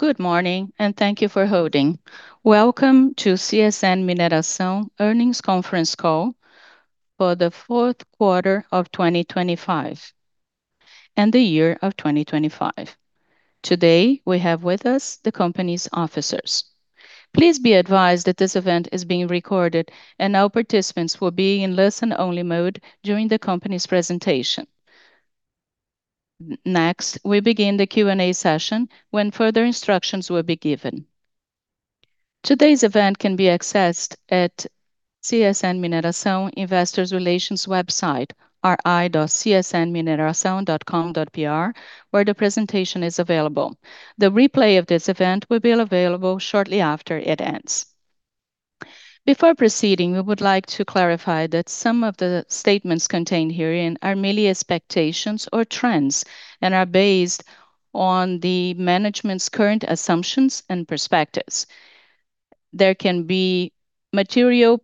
Good morning, and thank you for holding. Welcome to CSN Mineração earnings conference call for the fourth quarter of 2025 and the year of 2025. Today, we have with us the company's officers. Please be advised that this event is being recorded and all participants will be in listen-only mode during the company's presentation. Next, we begin the Q&A session when further instructions will be given. Today's event can be accessed at CSN Mineração Investor Relations website, ri.csnmineracao.com.br, where the presentation is available. The replay of this event will be available shortly after it ends. Before proceeding, we would like to clarify that some of the statements contained herein are merely expectations or trends and are based on the management's current assumptions and perspectives. There can be material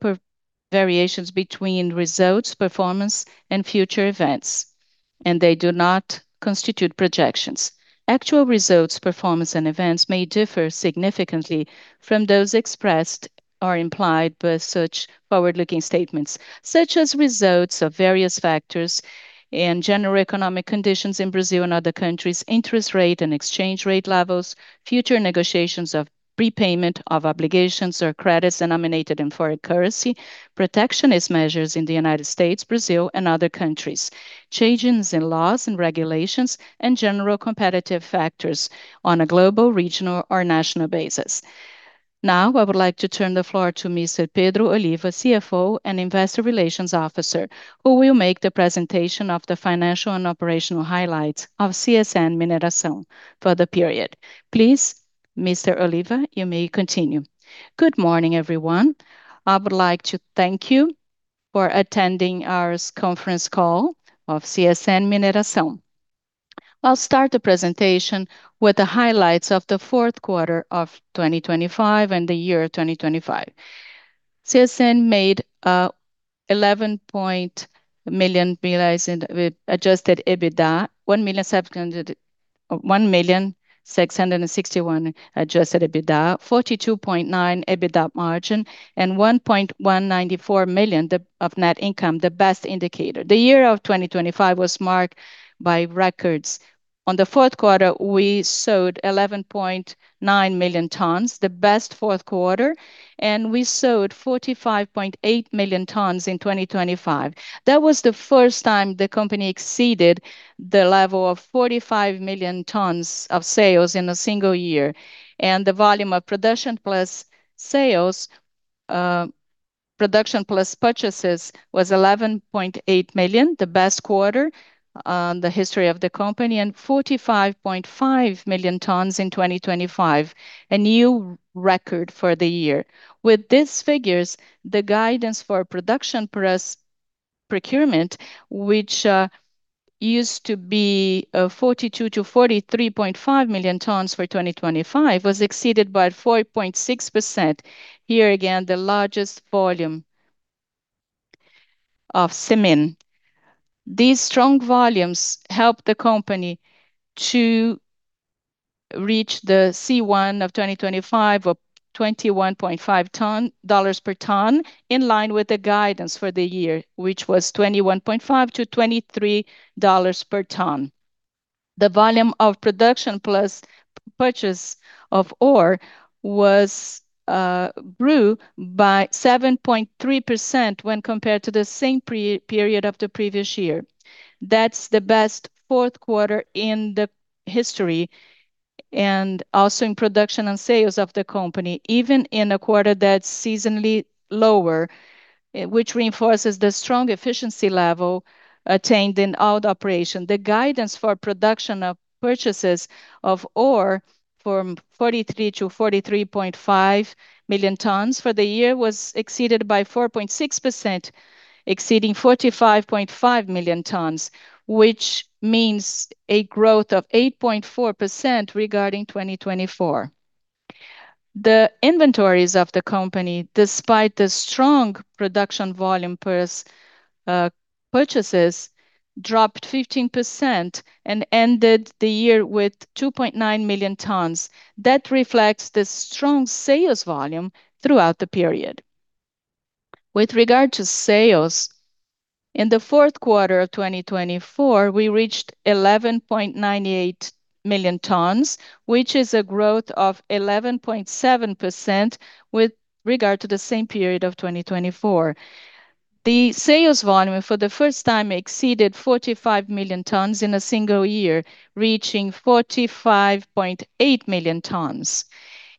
variations between results, performance and future events, and they do not constitute projections. Actual results, performance and events may differ significantly from those expressed or implied by such forward-looking statements, such as results of various factors and general economic conditions in Brazil and other countries' interest rate and exchange rate levels, future negotiations of prepayment of obligations or credits denominated in foreign currency, protectionist measures in the United States, Brazil and other countries, changes in laws and regulations, and general competitive factors on a global, regional or national basis. Now, I would like to turn the floor to Mr. Pedro Oliva, CFO and Investor Relations Officer, who will make the presentation of the financial and operational highlights of CSN Mineração for the period. Please, Mr. Oliva, you may continue. Good morning, everyone. I would like to thank you for attending our conference call of CSN Mineração. I'll start the presentation with the highlights of the fourth quarter of 2025 and the year 2025. CSN made R$11 billion revenue with adjusted EBITDA. R$1,661 million adjusted EBITDA, 42.9% EBITDA margin, and R$1,194 million of net income, the best indicator. The year of 2025 was marked by records. In the fourth quarter, we sold 11.9 million tons, the best fourth quarter, and we sold 45.8 million tons in 2025. That was the first time the company exceeded the level of 45 million tons of sales in a single year. The volume of production plus sales, production plus purchases was 11.8 million, the best quarter in the history of the company, and 45.5 million tons in 2025, a new record for the year. With these figures, the guidance for production plus procurement, which used to be 42-43.5 million tons for 2025, was exceeded by 4.6%. Here again, the largest volume of shipment. These strong volumes helped the company to reach the C1 of 2025 of $21.5/ton, in line with the guidance for the year, which was $21.5-$23/ton. The volume of production plus purchase of ore grew by 7.3% when compared to the same period of the previous year. That's the best fourth quarter in the history and also in production and sales of the company, even in a quarter that's seasonally lower, which reinforces the strong efficiency level attained in all the operation. The guidance for production of purchases of ore from 43 to 43.5 million tons for the year was exceeded by 4.6%, exceeding 45.5 million tons, which means a growth of 8.4% regarding 2024. The inventories of the company, despite the strong production volume plus purchases, dropped 15% and ended the year with 2.9 million tons. That reflects the strong sales volume throughout the period. With regard to sales, in the fourth quarter of 2024, we reached 11.98 million tons, which is a growth of 11.7% with regard to the same period of 2024. The sales volume for the first time exceeded 45 million tons in a single year, reaching 45.8 million tons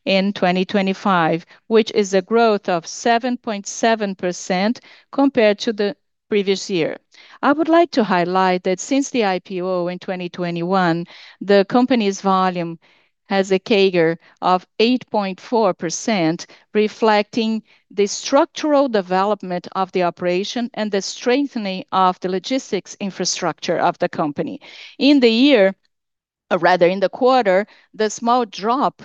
in 2025, which is a growth of 7.7% compared to the previous year. I would like to highlight that since the IPO in 2021, the company's volume has a CAGR of 8.4%, reflecting the structural development of the operation and the strengthening of the logistics infrastructure of the company. In the year, or rather in the quarter, the small drop,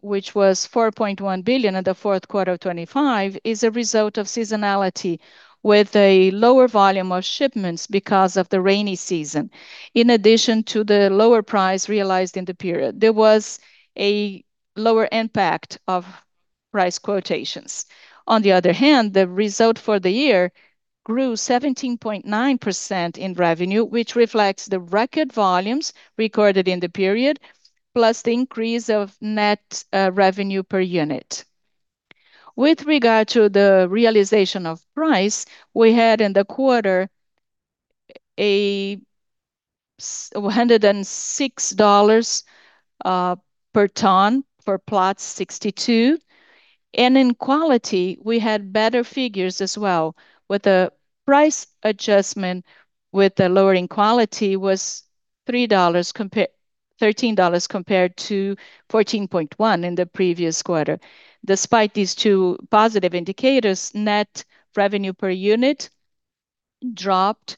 which was 4.1 billion in the fourth quarter of 2025, is a result of seasonality with a lower volume of shipments because of the rainy season. In addition to the lower price realized in the period, there was a lower impact of price quotations. On the other hand, the result for the year grew 17.9% in revenue, which reflects the record volumes recorded in the period, plus the increase of net revenue per unit. With regard to the realization of price, we had in the quarter $106 per ton for Platts 62%. In quality, we had better figures as well, with the price adjustment for the lowering quality was $13 compared to $14.1 in the previous quarter. Despite these two positive indicators, net revenue per unit dropped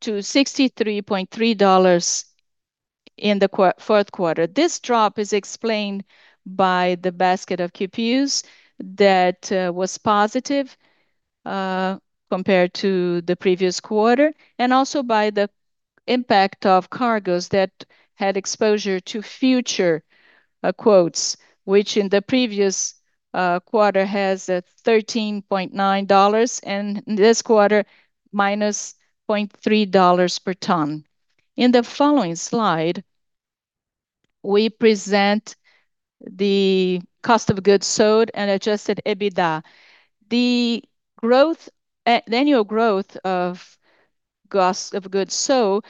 to $63.3 in the fourth quarter. This drop is explained by the basket of QPs that was positive compared to the previous quarter, and also by the impact of cargoes that had exposure to future quotes, which in the previous quarter had $13.9, and this quarter -$0.3 per ton. In the following slide, we present the cost of goods sold and adjusted EBITDA. The growth, the annual growth of cost of goods sold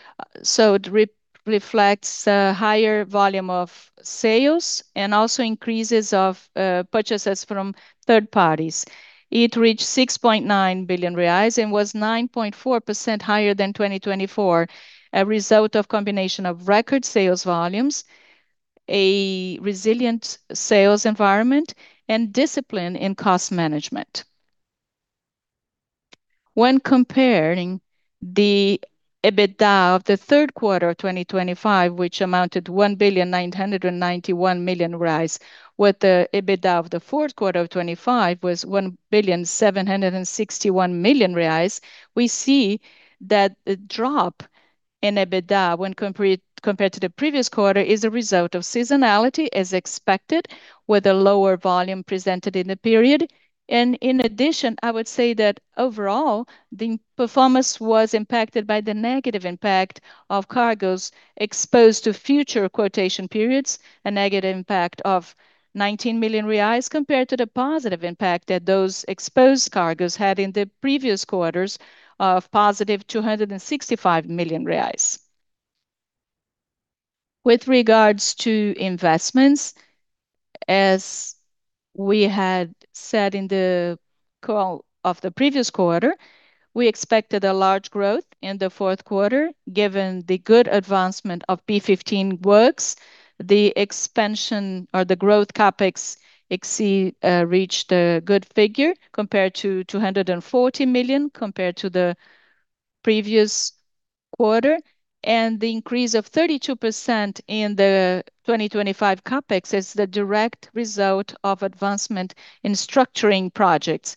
reflects a higher volume of sales and also increases of purchases from third parties. It reached 6.9 billion reais and was 9.4% higher than 2024, a result of combination of record sales volumes, a resilient sales environment, and discipline in cost management. When comparing the EBITDA of the third quarter 2025, which amounted 1.991 billion, with the EBITDA of the fourth quarter of 2025 was 1.761 billion, we see that the drop in EBITDA when compared to the previous quarter is a result of seasonality as expected, with a lower volume presented in the period. In addition, I would say that overall the performance was impacted by the negative impact of cargoes exposed to future quotation periods, a negative impact of 19 million reais compared to the positive impact that those exposed cargoes had in the previous quarters of positive 265 million reais. With regards to investments, as we had said in the call of the previous quarter, we expected a large growth in the fourth quarter given the good advancement of P15 works. The expansion or the growth CapEx reached a good figure compared to 240 million compared to the previous quarter. The increase of 32% in the 2025 CapEx is the direct result of advancement in structuring projects,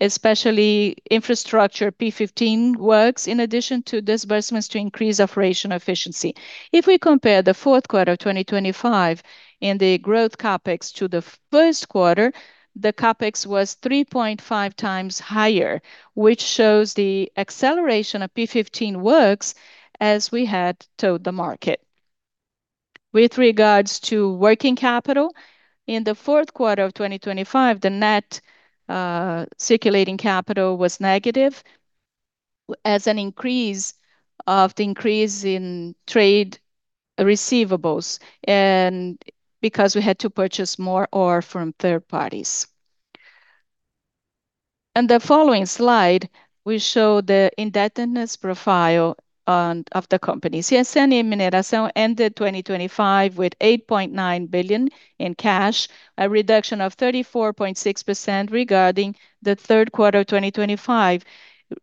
especially infrastructure P15 works, in addition to disbursements to increase operational efficiency. If we compare the fourth quarter of 2025 in the growth CapEx to the first quarter, the CapEx was 3.5 times higher, which shows the acceleration of P15 works as we had told the market. With regards to working capital, in the fourth quarter of 2025, the net circulating capital was negative as an increase of the increase in trade receivables and because we had to purchase more ore from third parties. In the following slide, we show the indebtedness profile of the company. CSN Mineração ended 2025 with 8.9 billion in cash, a reduction of 34.6% regarding the third quarter 2025,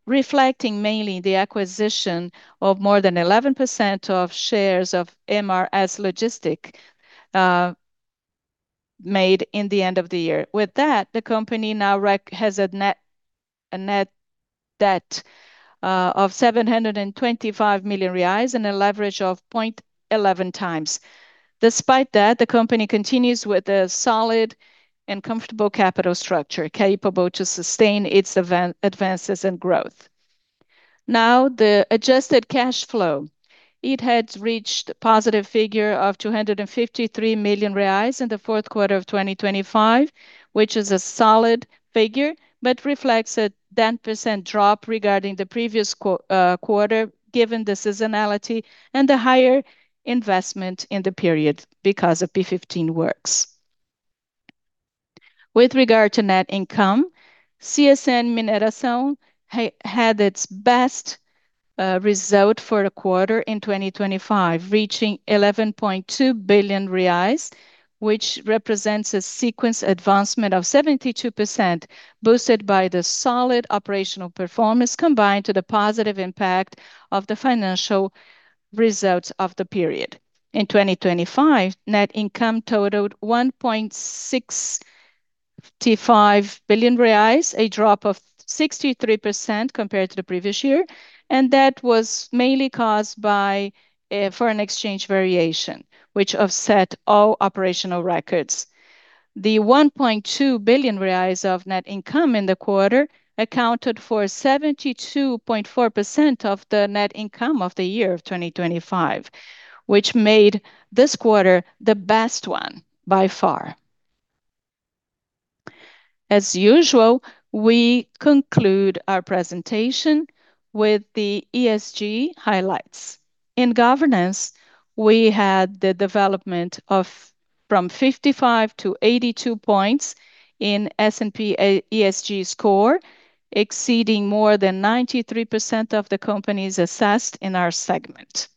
reflecting mainly the acquisition of more than 11% of shares of MRS Logística made in the end of the year. With that, the company now has a net debt of 725 million reais and a leverage of 0.11x. Despite that, the company continues with a solid and comfortable capital structure, capable to sustain its advances and growth. Now the adjusted cash flow. It had reached a positive figure of 253 million reais in the fourth quarter of 2025, which is a solid figure, but reflects a 10% drop regarding the previous quarter given the seasonality and the higher investment in the period because of P15 works. With regard to net income, CSN Mineração had its best result for a quarter in 2025, reaching 11.2 billion reais, which represents a sequential advancement of 72%, boosted by the solid operational performance combined with the positive impact of the financial results of the period. In 2025, net income totaled 1.65 billion reais, a drop of 63% compared to the previous year. That was mainly caused by foreign exchange variation, which offset all operational records. The 1.2 billion reais of net income in the quarter accounted for 72.4% of the net income of the year of 2025, which made this quarter the best one by far. As usual, we conclude our presentation with the ESG highlights. In governance, we had the development of from 55 to 82 points in S&P ESG score, exceeding more than 93% of the companies assessed in our segment.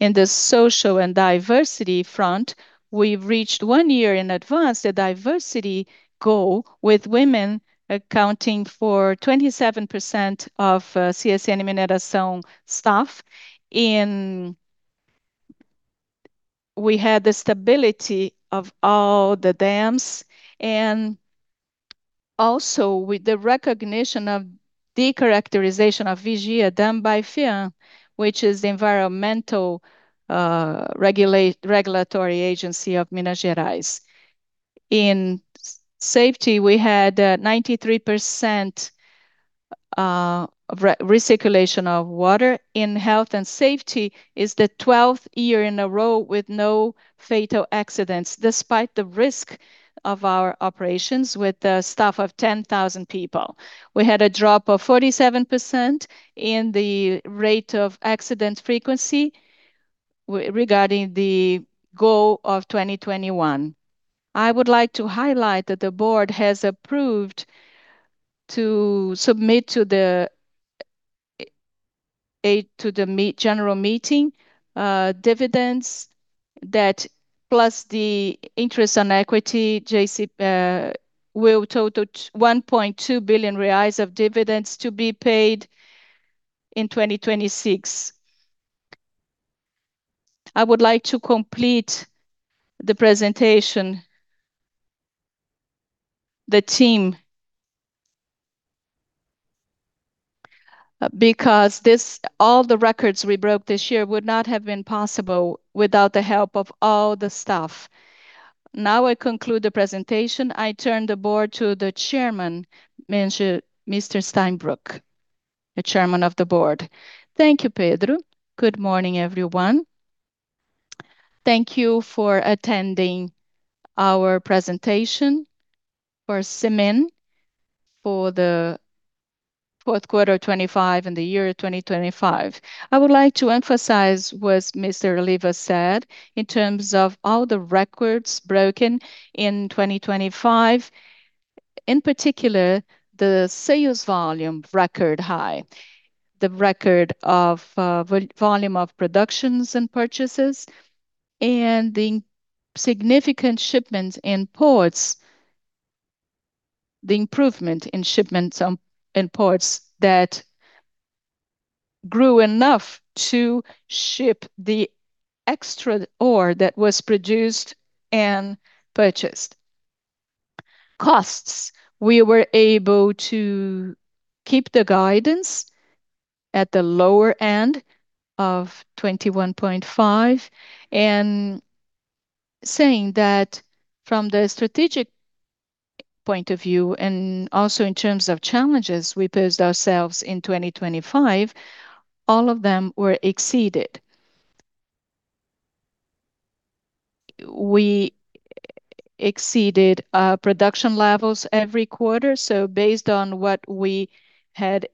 In the social and diversity front, we've reached one year in advance the diversity goal with women accounting for 27% of CSN Mineração staff. We had the stability of all the dams, and also with the recognition of the characterization of Vigia done by FEAM, which is the environmental regulatory agency of Minas Gerais. In safety, we had 93% recirculation of water. In health and safety is the twelfth year in a row with no fatal accidents, despite the risk of our operations with a staff of 10,000 people. We had a drop of 47% in the rate of accident frequency regarding the goal of 2021. I would like to highlight that the board has approved to submit to the general meeting dividends that plus the interest on equity JCP will total 1.2 billion reais of dividends to be paid in 2026. I would like to complete the presentation. The team. Because all the records we broke this year would not have been possible without the help of all the staff. Now I conclude the presentation. I turn the floor to the chairman, Mr. Steinbruch, the chairman of the board. Thank you, Pedro. Good morning, everyone. Thank you for attending our presentation for CSN Mineração for the fourth quarter of 2025 and the year of 2025. I would like to emphasize what Mr. Oliva said in terms of all the records broken in 2025. In particular, the sales volume record high, the record of volume of productions and purchases, and the significant shipments in ports, the improvement in shipments in ports that grew enough to ship the extra ore that was produced and purchased. Costs, we were able to keep the guidance at the lower end of $21.5. Saying that from the strategic point of view, and also in terms of challenges we posed ourselves in 2025, all of them were exceeded. We exceeded production levels every quarter. Based on what we had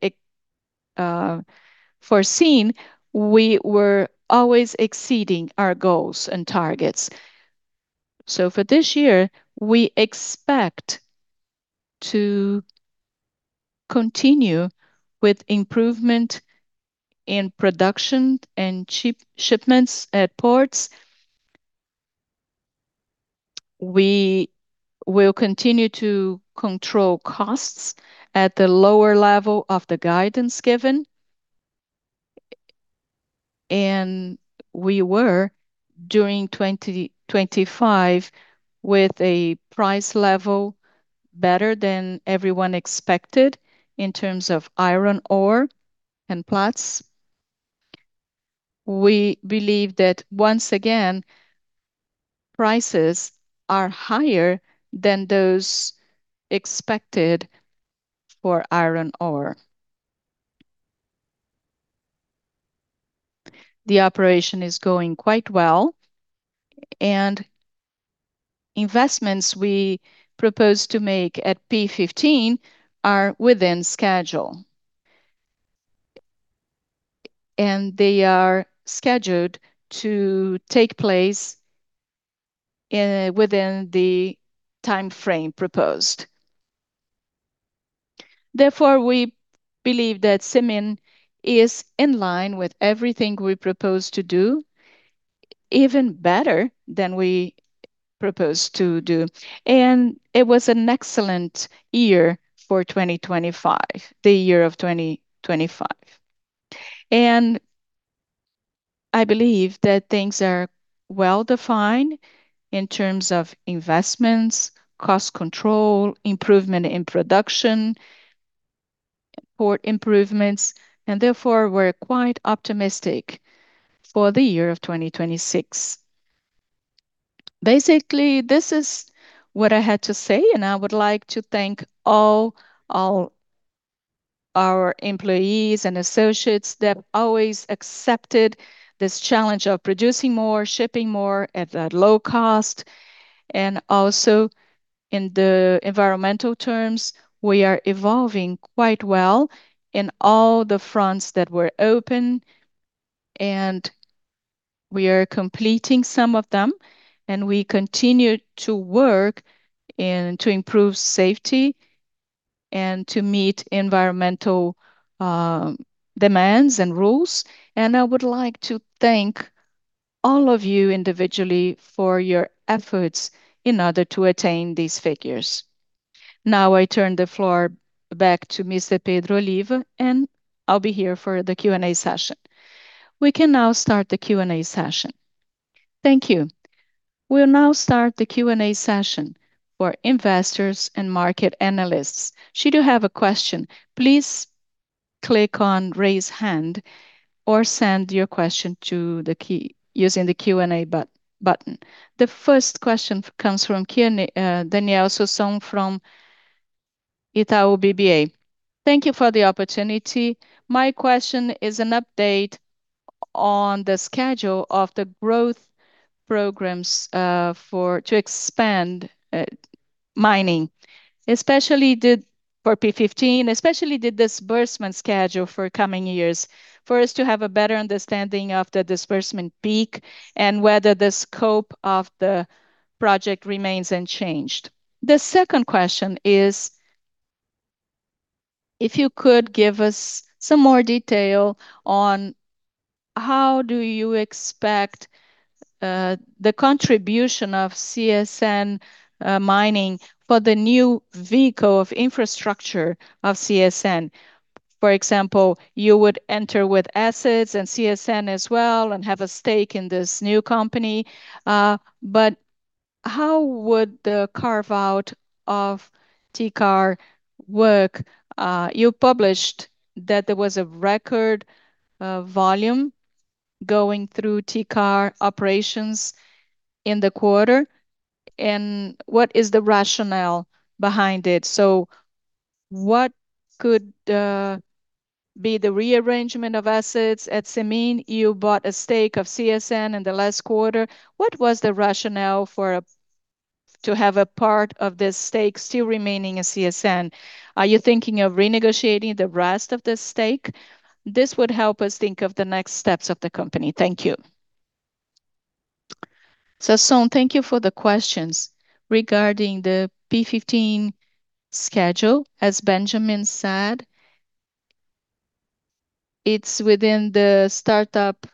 foreseen, we were always exceeding our goals and targets. For this year, we expect to continue with improvement in production and shipments at ports. We will continue to control costs at the lower level of the guidance given. We were, during 2025, with a price level better than everyone expected in terms of iron ore and Platts. We believe that once again, prices are higher than those expected for iron ore. The operation is going quite well, and investments we proposed to make at P15 are within schedule. They are scheduled to take place within the time frame proposed. Therefore, we believe that CSN is in line with everything we proposed to do, even better than we proposed to do. It was an excellent year for 2025, the year of 2025. I believe that things are well-defined in terms of investments, cost control, improvement in production, port improvements, and therefore we're quite optimistic for the year of 2026. Basically, this is what I had to say, and I would like to thank all our employees and associates that always accepted this challenge of producing more, shipping more at a low cost. Also in the environmental terms, we are evolving quite well in all the fronts that were open, and we are completing some of them. We continue to work and to improve safety and to meet environmental demands and rules. I would like to thank all of you individually for your efforts in order to attain these figures. Now I turn the floor back to Mr. Pedro Oliva, and I'll be here for the Q&A session. We can now start the Q&A session. Thank you. We'll now start the Q&A session for investors and market analysts. Should you have a question, please click on raise hand or send your question to the queue using the Q&A button. The first question comes from Daniel Sasson from Itaú BBA. Thank you for the opportunity. My question is an update on the schedule of the growth programs for to expand mining, especially for P15, especially the disbursement schedule for coming years, for us to have a better understanding of the disbursement peak and whether the scope of the project remains unchanged. The second question is if you could give us some more detail on how do you expect the contribution of CSN Mining for the new vehicle of infrastructure of CSN. For example, you would enter with assets and CSN as well and have a stake in this new company. But how would the carve-out of Tecar work? You published that there was a record volume going through Tecar operations in the quarter, and what is the rationale behind it? So what could be the rearrangement of assets at CSN Mineração? You bought a stake of CSN in the last quarter. What was the rationale for to have a part of this stake still remaining at CSN? Are you thinking of renegotiating the rest of the stake? This would help us think of the next steps of the company. Thank you. Daniel Sasson, thank you for the questions. Regarding the P15 schedule, as Benjamin said, it's within the startup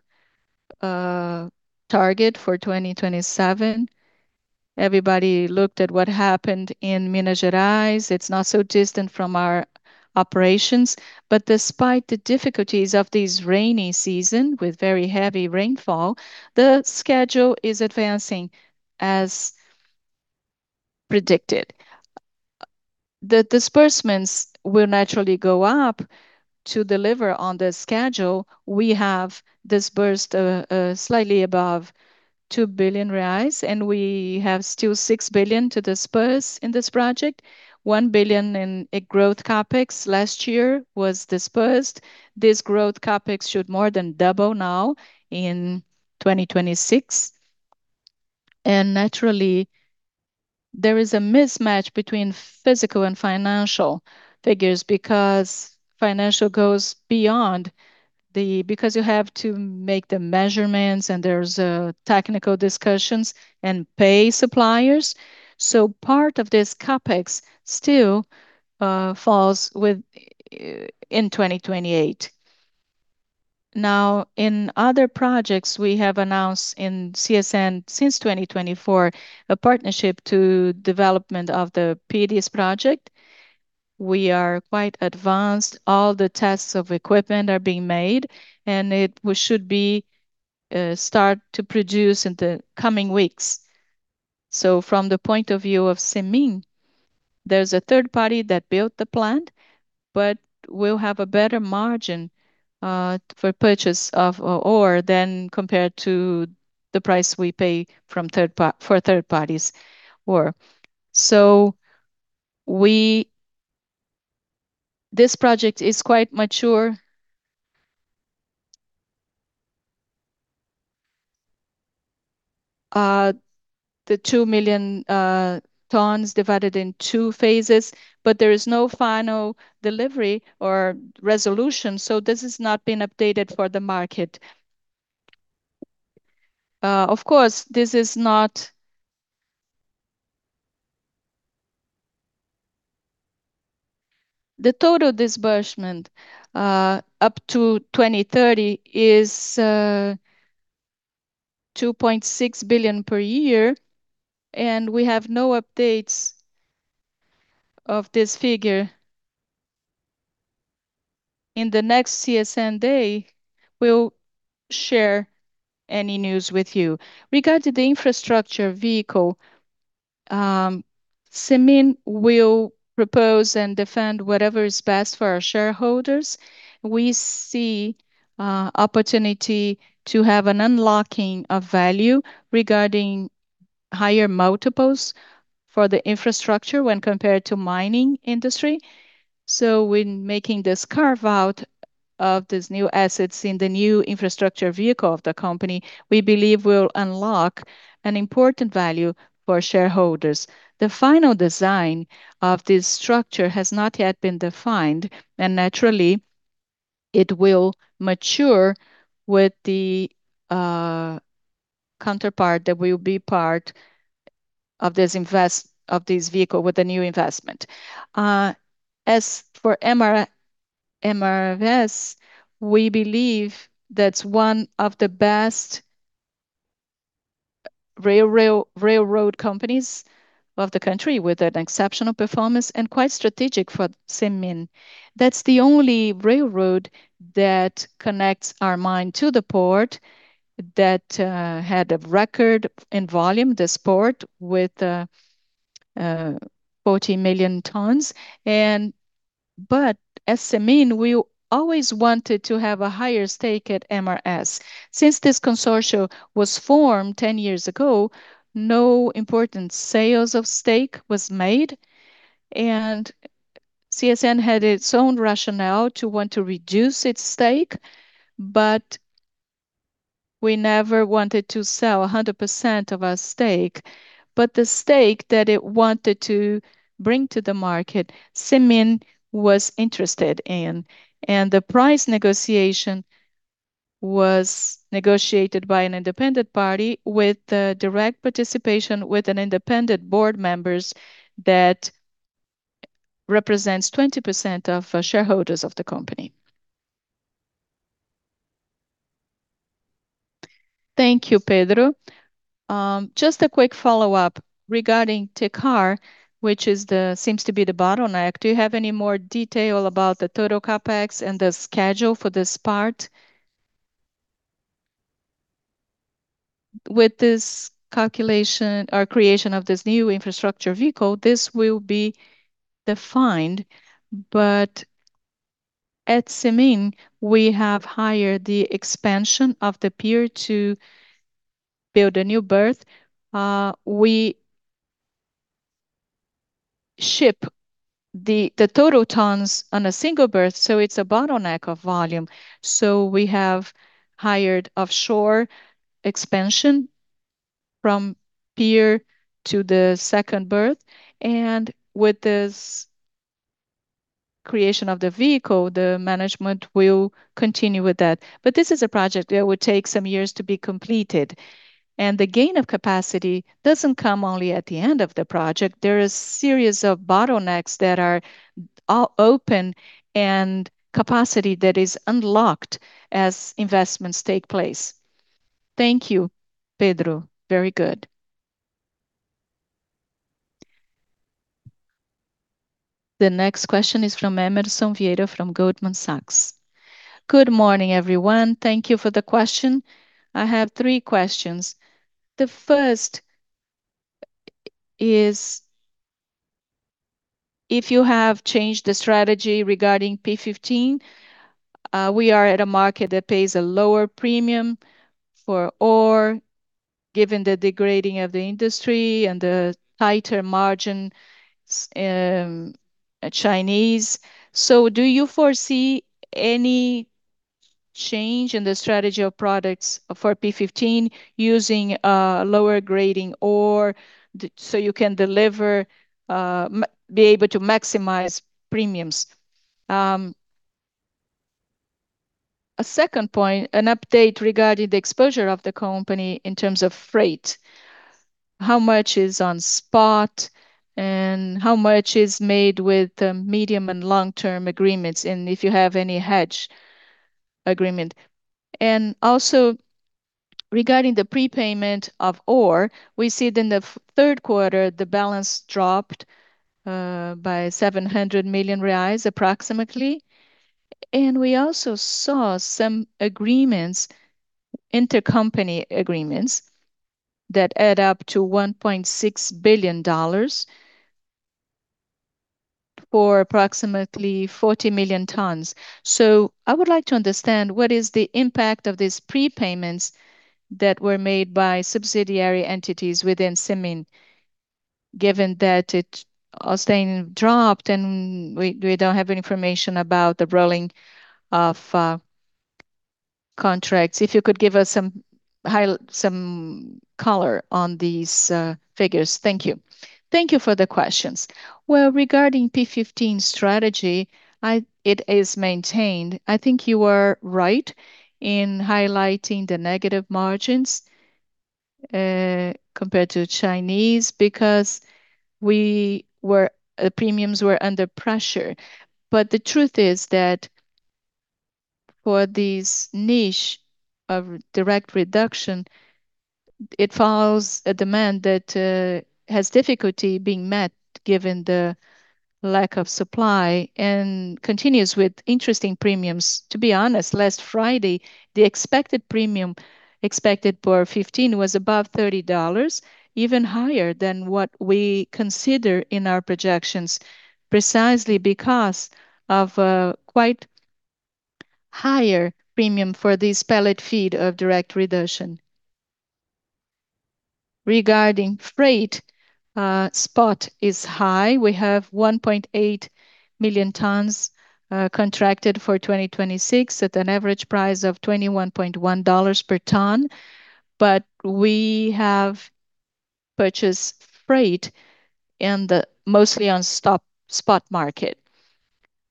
target for 2027. Everybody looked at what happened in Minas Gerais. It's not so distant from our operations. Despite the difficulties of this rainy season with very heavy rainfall, the schedule is advancing as predicted. The disbursements will naturally go up to deliver on the schedule. We have disbursed slightly above 2 billion reais, and we have still 6 billion to disperse in this project. 1 billion in growth CapEx last year was dispersed. This growth CapEx should more than double now in 2026. Naturally, there is a mismatch between physical and financial figures because financial goes beyond the physical. You have to make the measurements, and there's technical discussions and pay suppliers. So part of this CapEx still falls within 2028. Now, in other projects, we have announced in CSN since 2024 a partnership to development of the PDS project. We are quite advanced. All the tests of equipment are being made, and we should start to produce in the coming weeks. From the point of view of CSN Mineração, there's a third party that built the plant, but we'll have a better margin for purchase of ore than compared to the price we pay from third parties' ore. This project is quite mature. The 2 million tons divided in two phases, but there is no final delivery or resolution, so this has not been updated for the market. The total disbursement up to 2030 is 2.6 billion per year, and we have no updates of this figure. In the next CSN Day, we'll share any news with you. Regarding the infrastructure vehicle, CSN Mineração will propose and defend whatever is best for our shareholders. We see opportunity to have an unlocking of value regarding higher multiples for the infrastructure when compared to mining industry. When making this carve-out of these new assets in the new infrastructure vehicle of the company, we believe we'll unlock an important value for shareholders. The final design of this structure has not yet been defined, and naturally, it will mature with the counterpart that will be part of this vehicle with the new investment. As for MRS, we believe that's one of the best railroad companies of the country with an exceptional performance and quite strategic for CSN. That's the only railroad that connects our mine to the port that had a record in volume this port with 40 million tons. As CSN, we always wanted to have a higher stake at MRS. Since this consortium was formed 10 years ago, no important sales of stake was made. CSN had its own rationale to want to reduce its stake, but we never wanted to sell 100% of our stake. The stake that it wanted to bring to the market, CSN Mineração was interested in. The price negotiation was negotiated by an independent party with the direct participation with an independent board members that represents 20% of shareholders of the company. Thank you, Pedro. Just a quick follow-up regarding Tecar, which seems to be the bottleneck. Do you have any more detail about the total CapEx and the schedule for this part? With this calculation or creation of this new infrastructure vehicle, this will be defined. At CSN Mineração, we have hired the expansion of the pier to build a new berth. We ship the total tons on a single berth, so it's a bottleneck of volume. We have hired offshore expansion from pier to the second berth. With this creation of the vehicle, the management will continue with that. This is a project that would take some years to be completed. The gain of capacity doesn't come only at the end of the project. There is series of bottlenecks that are all open and capacity that is unlocked as investments take place. Thank you, Pedro. Very good. The next question is from Emerson Vieira from Goldman Sachs. Good morning, everyone. Thank you for the question. I have three questions. The first is if you have changed the strategy regarding P15. We are at a market that pays a lower premium for ore, given the degrading of the industry and the tighter margin, Chinese. Do you foresee any change in the strategy of products for P15 using lower grade ore so you can deliver be able to maximize premiums? A second point, an update regarding the exposure of the company in terms of freight. How much is on spot, and how much is made with medium and long-term agreements, and if you have any hedge agreement? Also regarding the prepayment of ore, we see it in the third quarter, the balance dropped by 700 million reais approximately. We also saw some agreements, intercompany agreements that add up to $1.6 billion for approximately 40 million tons. I would like to understand what is the impact of these prepayments that were made by subsidiary entities within CSN, given that they are being dropped, and we don't have any information about the rolling of contracts. If you could give us some color on these figures. Thank you. Thank you for the questions. Regarding P15 strategy, it is maintained. I think you are right in highlighting the negative margins compared to Chinese because the premiums were under pressure. The truth is that for this niche of direct reduction, it follows a demand that has difficulty being met given the lack of supply and continues with interesting premiums. To be honest, last Friday, the expected premium for P15 was above $30, even higher than what we consider in our projections, precisely because of a quite higher premium for this pellet feed of direct reduction. Regarding freight, spot is high. We have 1.8 million tons contracted for 2026 at an average price of $21.1 per ton. We have purchased freight in the mostly on spot market.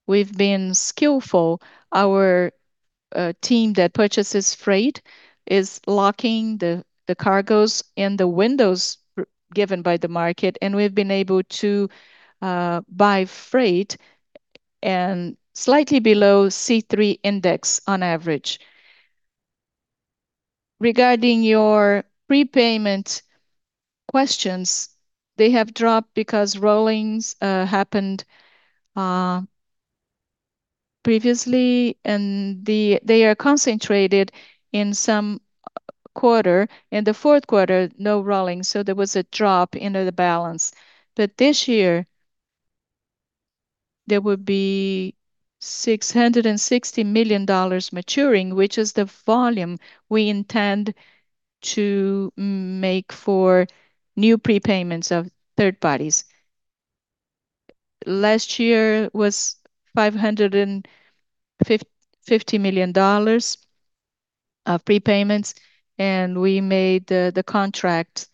We've been skillful. Our team that purchases freight is locking the cargos in the windows are given by the market, and we've been able to buy freight at slightly below C3 index on average. Regarding your prepayment questions, they have dropped because rollings happened previously and they are concentrated in some quarter. In the fourth quarter, no rollings, so there was a drop into the balance. This year, there will be $660 million maturing, which is the volume we intend to make for new prepayments of third parties. Last year was $550 million of prepayments, and we made the contract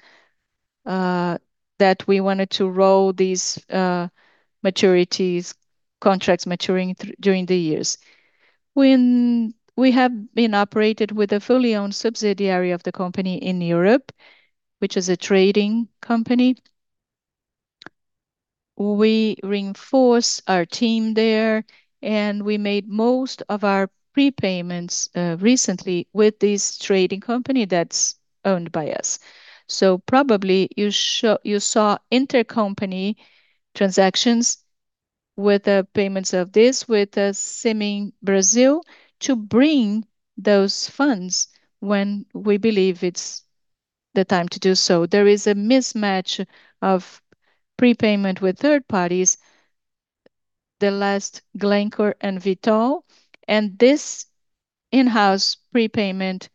that we wanted to roll these maturities, contracts maturing during the years. When we have been operated with a fully owned subsidiary of the company in Europe, which is a trading company, we reinforce our team there, and we made most of our prepayments recently with this trading company that's owned by us. So probably you saw intercompany transactions with the payments of this with CEMIG Brazil to bring those funds when we believe it's the time to do so. There is a mismatch of prepayment with third parties, like Glencore and Vitol, and this in-house prepayment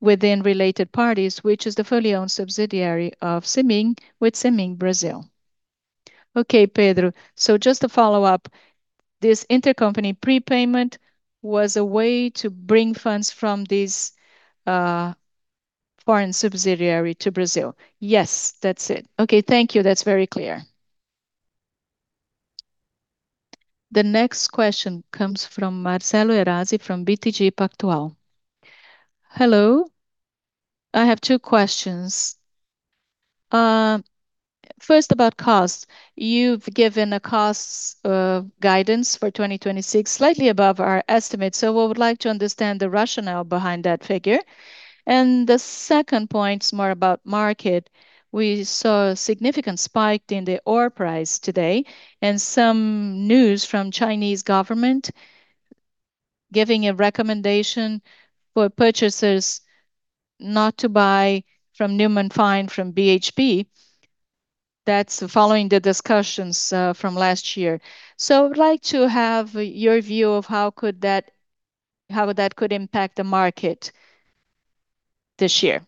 within related parties, which is the fully owned subsidiary of CSN with CSN Brazil. Okay, Pedro. Just to follow up, this intercompany prepayment was a way to bring funds from this foreign subsidiary to Brazil? Yes, that's it. Okay, thank you. That's very clear. The next question comes from Marcelo Arazi from BTG Pactual. Hello. I have two questions. First about cost. You've given a cost guidance for 2026 slightly above our estimate. We would like to understand the rationale behind that figure. The second point is more about market. We saw a significant spike in the ore price today and some news from Chinese government giving a recommendation for purchasers not to buy from Newman Fines from BHP. That's following the discussions from last year. I would like to have your view of how that could impact the market this year.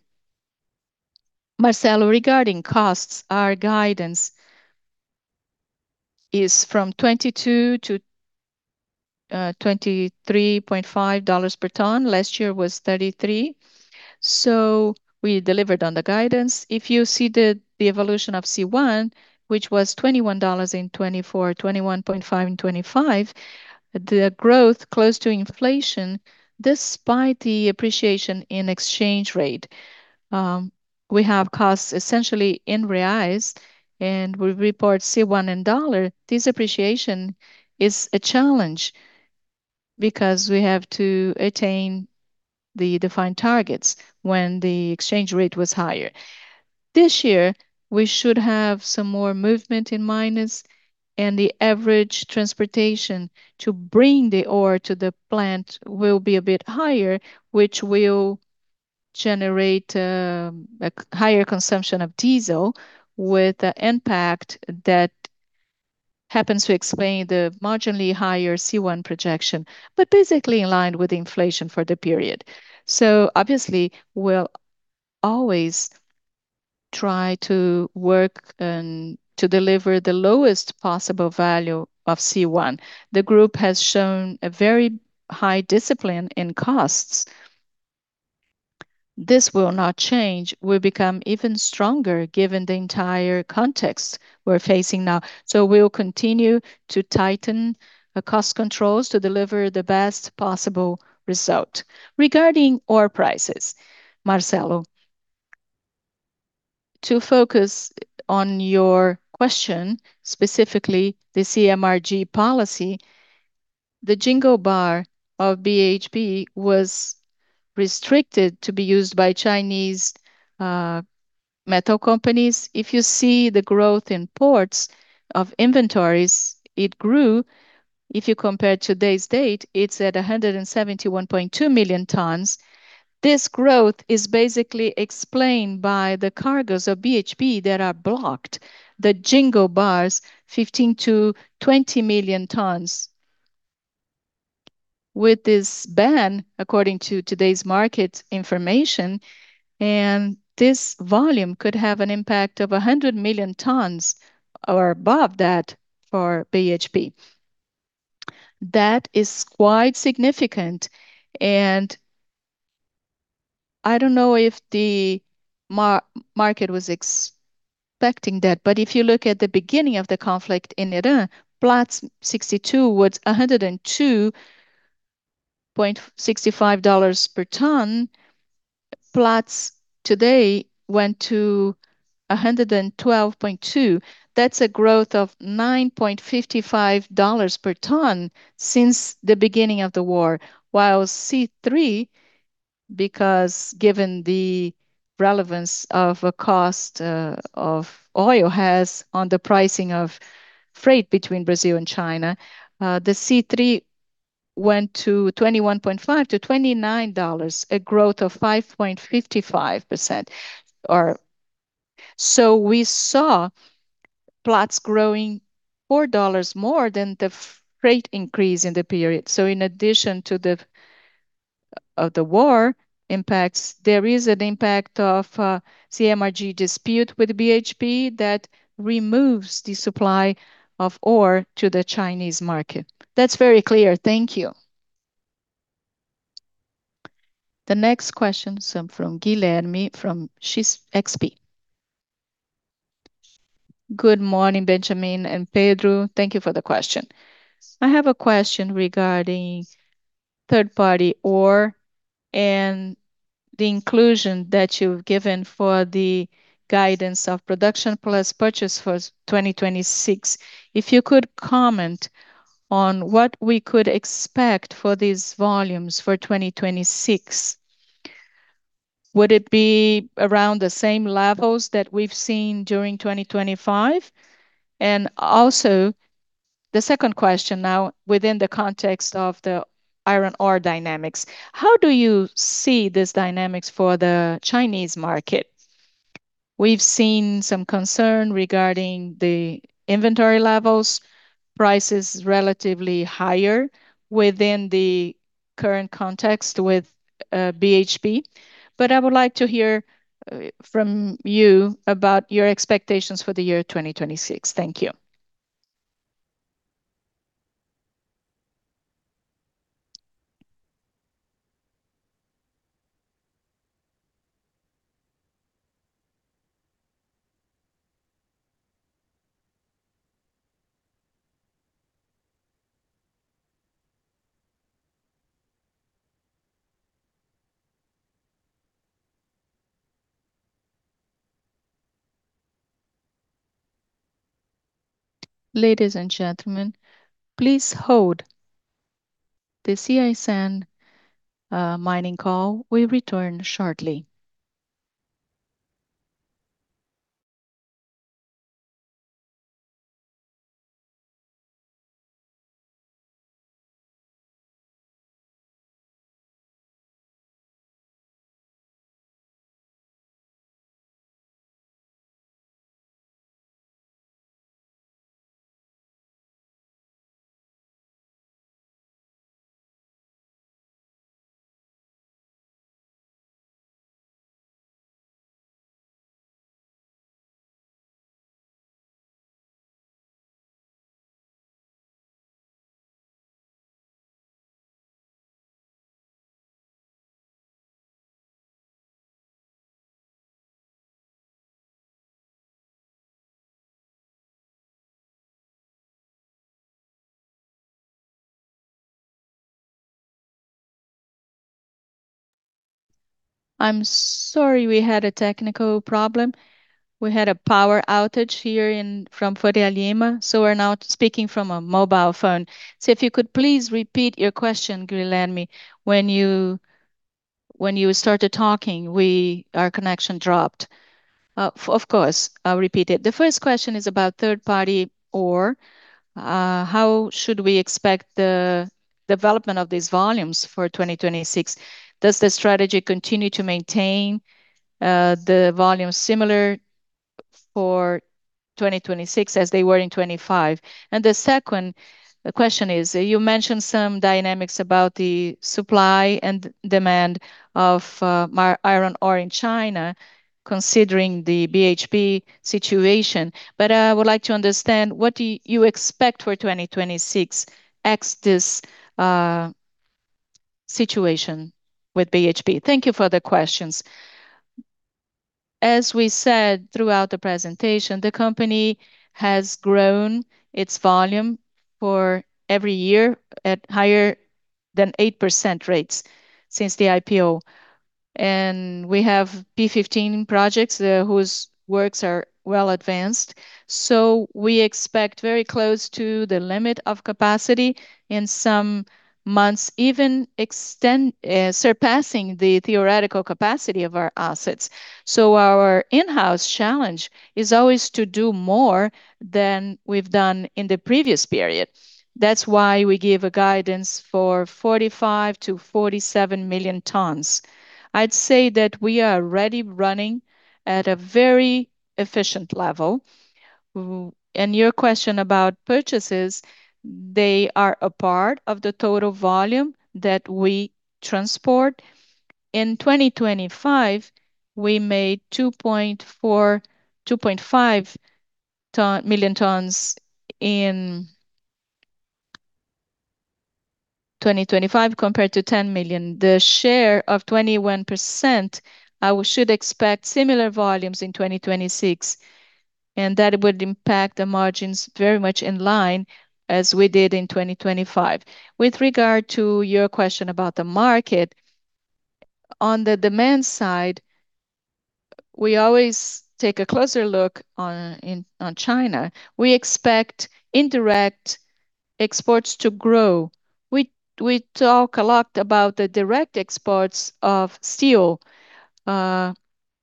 Marcelo, regarding costs, our guidance is from $22-$23.5 per ton. Last year was $33. We delivered on the guidance. If you see the evolution of C1, which was $21 in 2024, $21.5 in 2025, the growth close to inflation despite the appreciation in exchange rate. We have costs essentially in reais, and we report C1 in dollar. This appreciation is a challenge because we have to attain the defined targets when the exchange rate was higher. This year, we should have some more movement in Minas, and the average transportation to bring the ore to the plant will be a bit higher, which will generate a higher consumption of diesel with the impact that happens to explain the marginally higher C1 projection, but basically in line with inflation for the period. Obviously, we'll always try to work and to deliver the lowest possible value of C1. The group has shown a very high discipline in costs. This will not change. We'll become even stronger given the entire context we're facing now. We'll continue to tighten the cost controls to deliver the best possible result. Regarding ore prices, Marcelo. To focus on your question, specifically the CMRG policy, the Jimblebar of BHP was restricted to be used by Chinese metal companies. If you see the growth in ports' inventories, it grew. If you compare today's data, it's at 171.2 million tons. This growth is basically explained by the cargoes of BHP that are blocked, the Jimblebar, 15-20 million tons. With this ban, according to today's market information, and this volume could have an impact of 100 million tons or above that for BHP. That is quite significant, and I don't know if the market was expecting that. If you look at the beginning of the conflict in Iran, Platts 62% was $102.65 per ton. Platts 62% today went to $112.2. That's a growth of $9.55 per ton since the beginning of the war. While C3, because given the relevance of a cost of oil has on the pricing of freight between Brazil and China, the C3 went to $21.5-$29, a growth of 5.55%. We saw Platts growing $4 more than the freight increase in the period. In addition to the war impacts, there is an impact of CMRG dispute with BHP that removes the supply of ore to the Chinese market. That's very clear. Thank you. The next question is from Guilherme from XP. Good morning, Benjamin and Pedro. Thank you for the question. I have a question regarding third-party ore and the inclusion that you've given for the guidance of production plus purchase for 2026. If you could comment on what we could expect for these volumes for 2026. Would it be around the same levels that we've seen during 2025? The second question now within the context of the iron ore dynamics, how do you see these dynamics for the Chinese market? We've seen some concern regarding the inventory levels, prices relatively higher within the current context with BHP. I would like to hear from you about your expectations for the year 2026. Thank you. Ladies and gentlemen, please hold the CSN mining call. We return shortly. I'm sorry we had a technical problem. We had a power outage from Faria Lima, so we're now speaking from a mobile phone. If you could please repeat your question, Guilherme. When you started talking, our connection dropped. Of course, I'll repeat it. The first question is about third-party ore. How should we expect the development of these volumes for 2026? Does the strategy continue to maintain the volume similar for 2026 as they were in 2025? The second question is, you mentioned some dynamics about the supply and demand of iron ore in China, considering the BHP situation. I would like to understand what do you expect for 2026 ex this situation with BHP? Thank you for the questions. As we said throughout the presentation, the company has grown its volume for every year at higher than 8% rates since the IPO. We have P15 projects, whose works are well advanced. We expect very close to the limit of capacity in some months, even surpassing the theoretical capacity of our assets. Our in-house challenge is always to do more than we've done in the previous period. That's why we gave a guidance for 45-47 million tons. I'd say that we are already running at a very efficient level. Your question about purchases, they are a part of the total volume that we transport. In 2025, we made 2.4-2.5 million tons compared to 10 million. The share of 21%, we should expect similar volumes in 2026, and that would impact the margins very much in line as we did in 2025. With regard to your question about the market, on the demand side, we always take a closer look on China. We expect indirect exports to grow. We talk a lot about the direct exports of steel,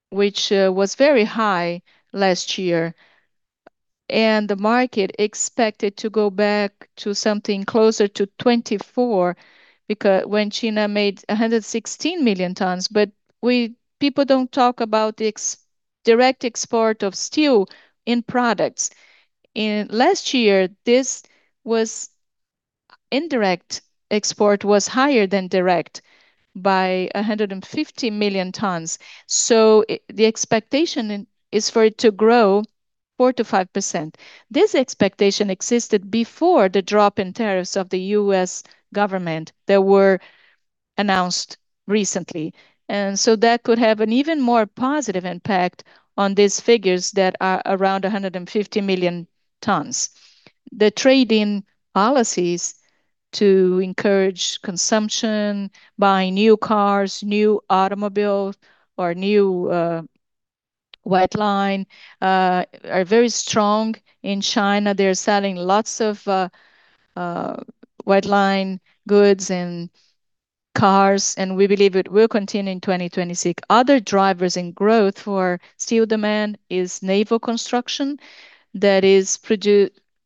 which was very high last year. The market expected to go back to something closer to 24 because when China made 116 million tons. People don't talk about indirect export of steel in products. Last year, indirect export was higher than direct by 150 million tons. The expectation is for it to grow 4%-5%. This expectation existed before the drop in tariffs of the U.S. government that were announced recently. That could have an even more positive impact on these figures that are around 150 million tons. The trade-in policies to encourage consumption, buying new cars, new automobile or new white line, are very strong in China. They're selling lots of white line goods and cars, and we believe it will continue in 2026. Other drivers in growth for steel demand is naval construction that is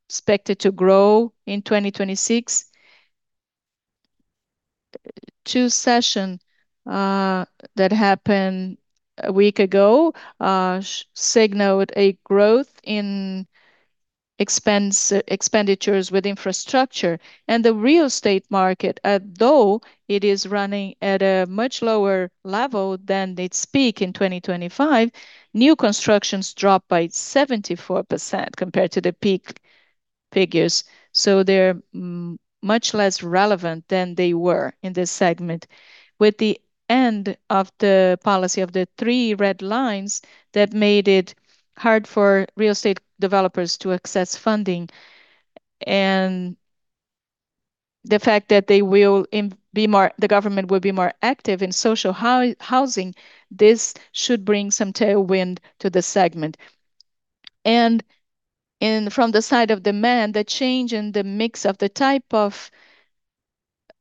expected to grow in 2026. Two Sessions that happened a week ago signaled a growth in expenditures with infrastructure. The real estate market, though it is running at a much lower level than its peak in 2025, new constructions dropped by 74% compared to the peak figures. They're much less relevant than they were in this segment. With the end of the policy of the Three Red Lines that made it hard for real estate developers to access funding, and the fact that the government will be more active in social housing, this should bring some tailwind to this segment. From the side of demand, the change in the mix of the type of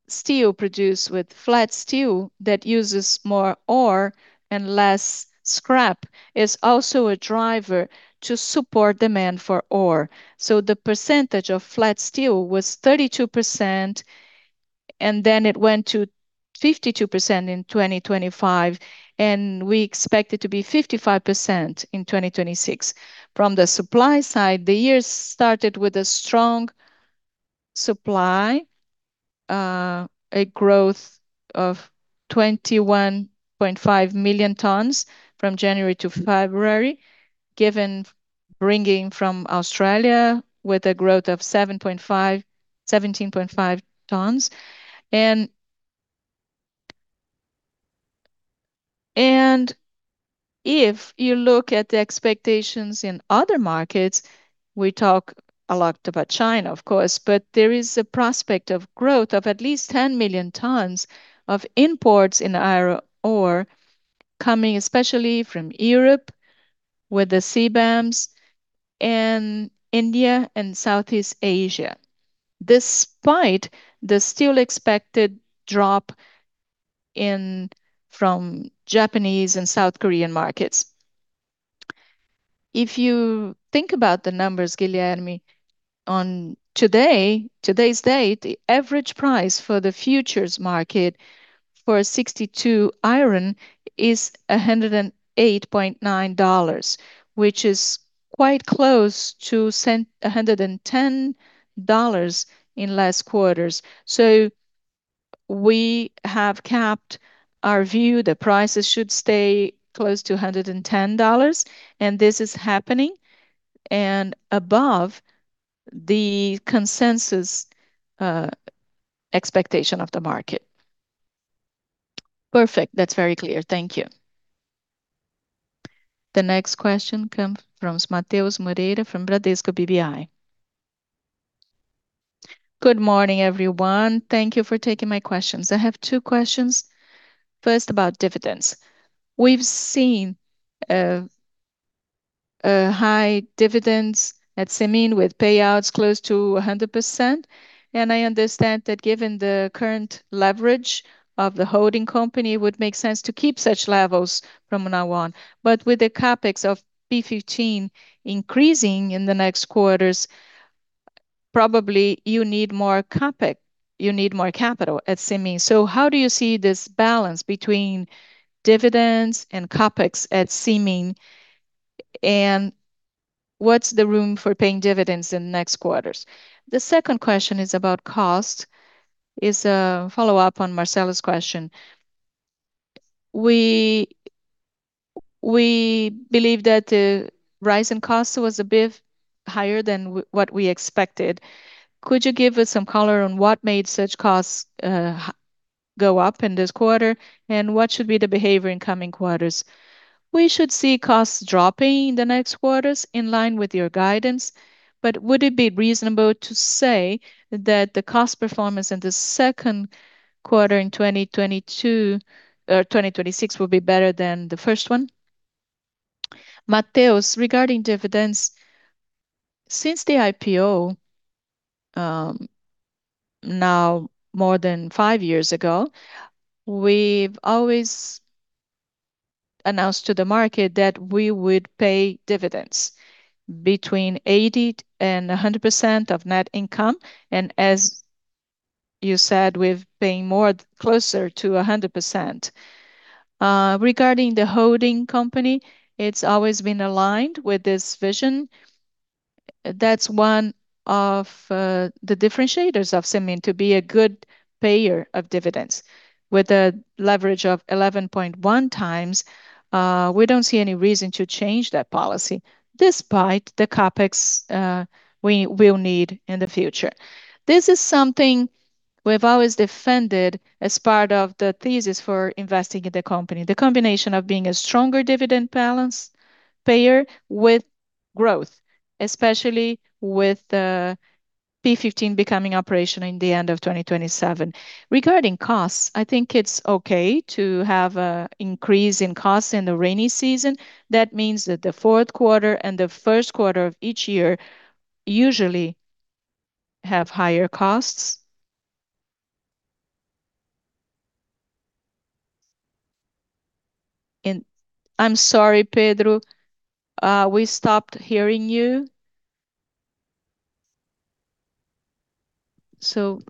steel produced with flat steel that uses more ore and less scrap is also a driver to support demand for ore. The percentage of flat steel was 32%, and then it went to 52% in 2025, and we expect it to be 55% in 2026. From the supply side, the year started with a strong supply, a growth of 21.5 million tons from January to February, given bringing from Australia with a growth of 17.5 tons. If you look at the expectations in other markets, we talk a lot about China, of course, but there is a prospect of growth of at least 10 million tons of imports in iron ore coming especially from Europe with the CBAM and India and Southeast Asia, despite the steel expected drop from Japanese and South Korean markets. If you think about the numbers, Guilherme, on today's date, the average price for the futures market for 62 iron is $108.9, which is quite close to a hundred and ten dollars in last quarters. We have capped our view. The prices should stay close to $110, and this is happening, and above the consensus expectation of the market. Perfect. That's very clear. Thank you. The next question comes from Matheus Moreira from Bradesco BBI. Good morning, everyone. Thank you for taking my questions. I have two questions. First, about dividends. We've seen high dividends at CSN with payouts close to 100%, and I understand that given the current leverage of the holding company, it would make sense to keep such levels from now on. With the CapEx of P15 increasing in the next quarters, probably you need more CapEx. You need more capital at CSN. How do you see this balance between dividends and CapEx at CSN, and what's the room for paying dividends in the next quarters? The second question is about cost. It's a follow-up on Marcelo's question. We believe that the rise in cost was a bit higher than what we expected. Could you give us some color on what made such costs go up in this quarter, and what should be the behavior in coming quarters? We should see costs dropping in the next quarters in line with your guidance, but would it be reasonable to say that the cost performance in the second quarter in 2022 or 2026 will be better than the first one? Matheus, regarding dividends, since the IPO, now more than 5 years ago, we've always announced to the market that we would pay dividends between 80% and 100% of net income. As you said, we've been more closer to 100%. Regarding the holding company, it's always been aligned with this vision. That's one of the differentiators of CSN, to be a good payer of dividends. With a leverage of 11.1x, we don't see any reason to change that policy despite the CapEx we will need in the future. This is something we've always defended as part of the thesis for investing in the company. The combination of being a stronger dividend balance payer with growth, especially with P15 becoming operational in the end of 2027. Regarding costs, I think it's okay to have an increase in cost in the rainy season. That means that the fourth quarter and the first quarter of each year usually have higher costs. I'm sorry, Pedro, we stopped hearing you. It's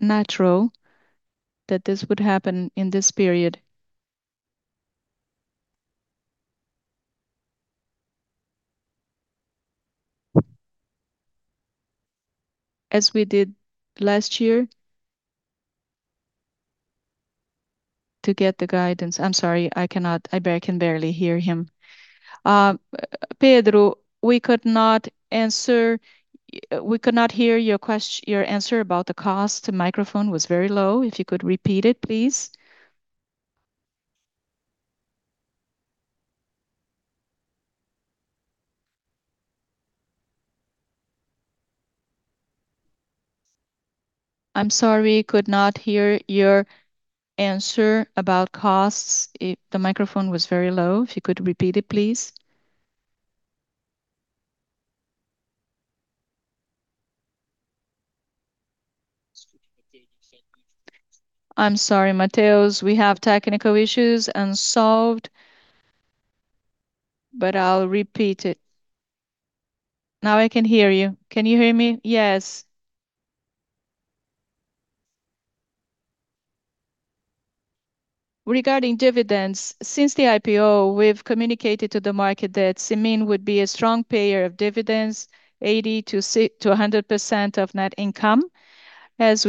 natural that this would happen in this period, as we did last year. I can barely hear him. Pedro, we could not hear your answer about the cost. The microphone was very low. If you could repeat it, please. I'm sorry. We could not hear your answer about costs. The microphone was very low. If you could repeat it, please. I'm sorry, Matheus, we have technical issues unsolved. I'll repeat it. Now I can hear you. Can you hear me? Yes. Regarding dividends, since the IPO, we've communicated to the market that CSN would be a strong payer of dividends, 80%-100% of net income. As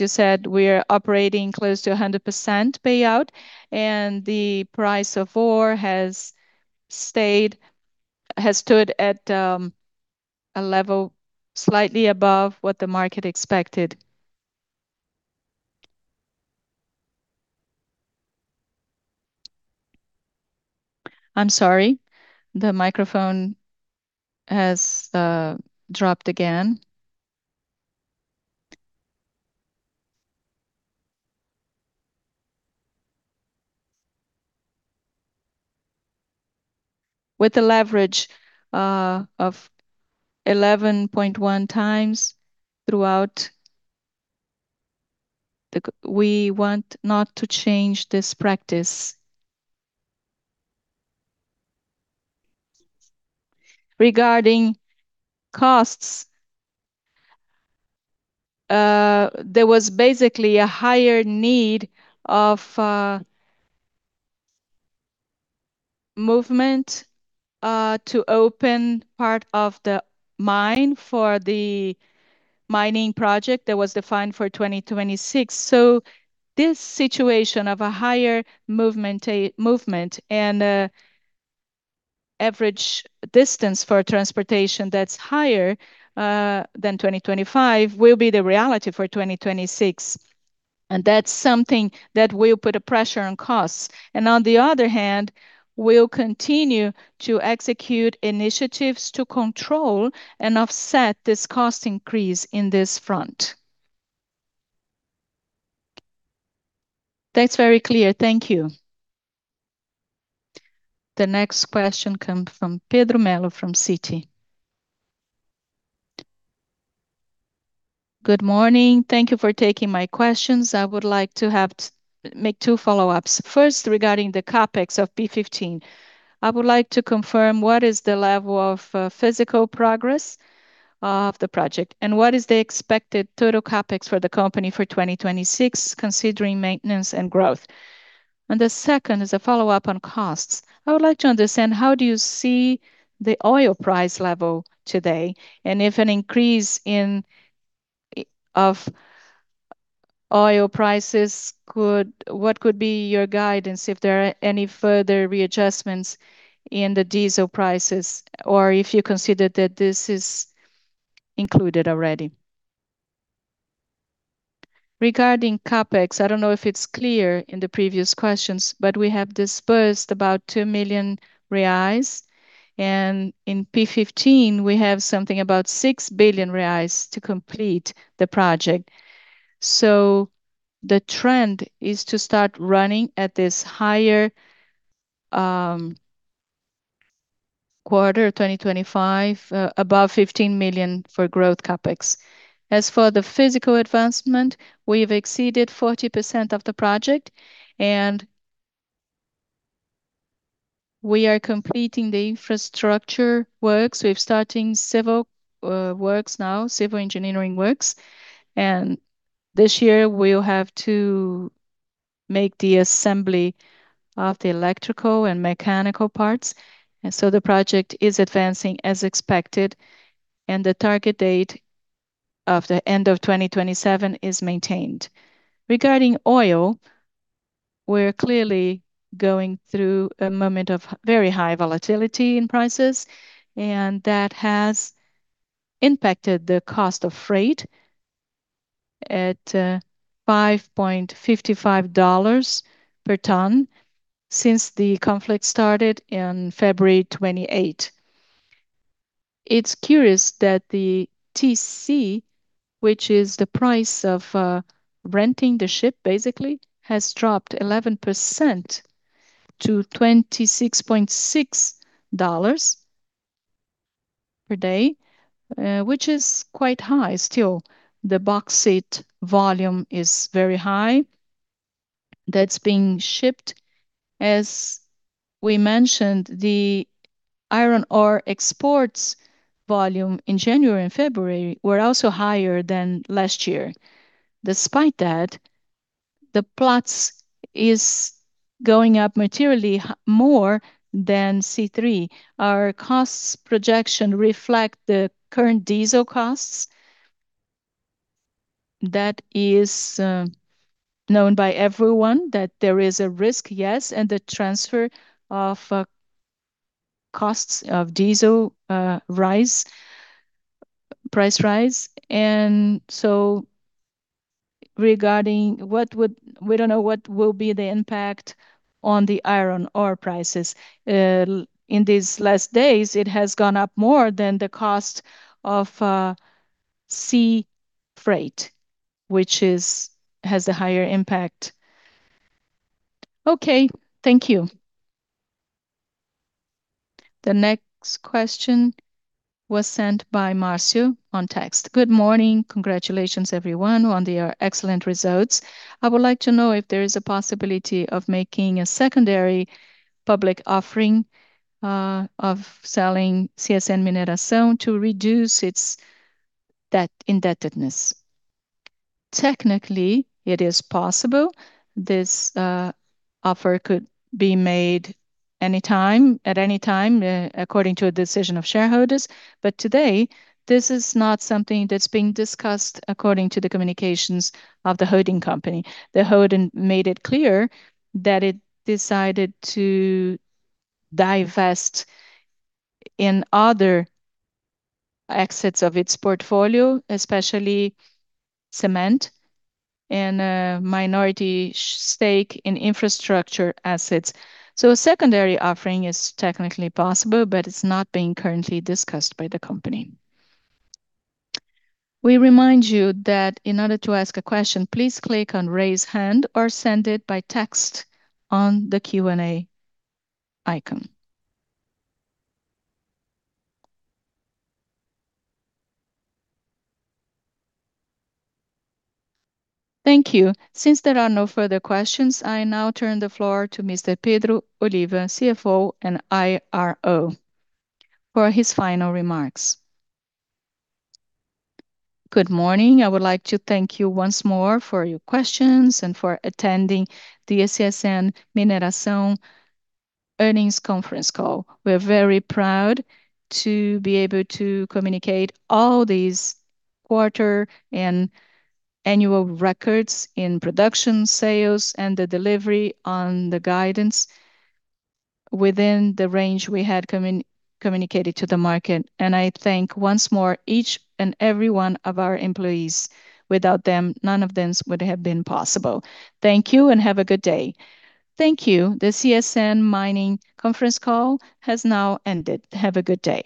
you said, we're operating close to 100% payout, and the price of ore has stood at a level slightly above what the market expected. I'm sorry. The microphone has dropped again. With a leverage of 11.1x throughout the c- We want not to change this practice. Regarding costs, there was basically a higher need of movement to open part of the mine for the mining project that was defined for 2026. This situation of a higher movement and average distance for transportation that's higher than 2025 will be the reality for 2026, and that's something that will put a pressure on costs. On the other hand, we'll continue to execute initiatives to control and offset this cost increase in this front. That's very clear. Thank you. The next question come from Pedro Melo from Citi. Good morning. Thank you for taking my questions. I would like to make two follow-ups. First, regarding the CapEx of P15, I would like to confirm what is the level of physical progress of the project, and what is the expected total CapEx for the company for 2026 considering maintenance and growth. The second is a follow-up on costs. I would like to understand how do you see the oil price level today, and if an increase in oil prices could. What could be your guidance if there are any further readjustments in the diesel prices, or if you consider that this is included already. Regarding CapEx, I don't know if it's clear in the previous questions, but we have disbursed about 2 million reais, and in P15 we have something about 6 billion reais to complete the project. The trend is to start running at this higher quarter 2025 above 15 million for growth CapEx. As for the physical advancement, we've exceeded 40% of the project, and we are completing the infrastructure works. We're starting civil works now, civil engineering works, and this year we'll have to make the assembly of the electrical and mechanical parts. The project is advancing as expected, and the target date of the end of 2027 is maintained. Regarding oil, we're clearly going through a moment of very high volatility in prices, and that has impacted the cost of freight at $5.55 per ton since the conflict started in February 2028. It's curious that the TC, which is the price of renting the ship basically, has dropped 11% to $26.6 per day, which is quite high still. The bauxite volume is very high, that's being shipped. As we mentioned, the iron ore exports volume in January and February were also higher than last year. Despite that, the Platts is going up materially more than C3. Our costs projection reflect the current diesel costs. That is known by everyone that there is a risk, yes, and the transfer of costs of diesel price rise. Regarding, we don't know what will be the impact on the iron ore prices. In these last days it has gone up more than the cost of sea freight, which has a higher impact. Okay. Thank you. The next question was sent by Marcio on text. Good morning. Congratulations, everyone, on their excellent results. I would like to know if there is a possibility of making a secondary public offering of selling CSN Mineração to reduce its debt indebtedness. Technically, it is possible. This offer could be made anytime, at any time according to a decision of shareholders. Today, this is not something that's being discussed according to the communications of the holding company. The holding made it clear that it decided to divest in other exits of its portfolio, especially cement and a minority stake in infrastructure assets. A secondary offering is technically possible, but it's not being currently discussed by the company. We remind you that in order to ask a question, please click on Raise Hand or send it by text on the Q&A icon. Thank you. Since there are no further questions, I now turn the floor to Mr. Pedro Oliva, CFO and IRO, for his final remarks. Good morning. I would like to thank you once more for your questions and for attending the CSN Mineração earnings conference call. We're very proud to be able to communicate all these quarter and annual records in production, sales, and the delivery on the guidance within the range we had communicated to the market. I thank once more each and every one of our employees. Without them, none of this would have been possible. Thank you and have a good day. Thank you. The CSN Mineração conference call has now ended. Have a good day.